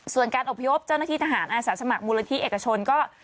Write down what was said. ส่วนการอบพยพเจ้าหน้าที่ทหารอาสาสมัครมูลนิธิเอกชนก็